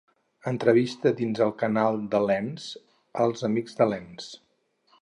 Entrevista dins el canal de l’Ens: ‘Els amics de l’Ens’